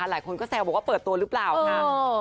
หลายคนก็แซวบอกว่าเปิดตัวหรือเปล่าค่ะ